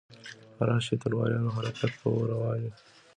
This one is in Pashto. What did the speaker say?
راشئ تلواریانو حرکت کوو روان یو.